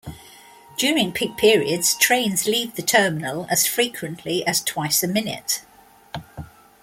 During peak periods, trains leave the terminal as frequently as twice a minute.